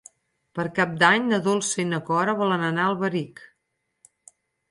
Per Cap d'Any na Dolça i na Cora volen anar a Alberic.